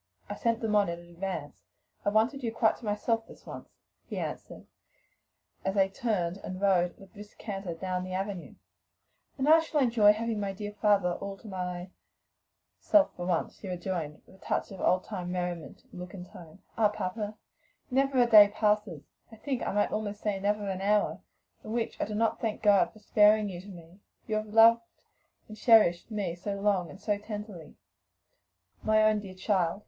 "I sent them on in advance. I wanted you quite to myself this once," he answered, as they turned and rode at a brisk canter down the avenue. "And I shall enjoy having my dear father all to myself for once," she rejoined, with a touch of old time gayety in look and tone. "Ah! papa, never a day passes, I think I might almost say never an hour, in which I do not thank God for sparing you to me; you who have loved and cherished me so long and so tenderly." "My own dear child!"